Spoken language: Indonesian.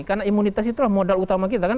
karena imunitas itulah modal utama kita